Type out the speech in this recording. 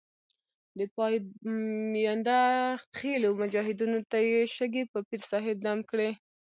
د پاینده خېلو مجاهدینو ته یې شګې په پیر صاحب دم کړې.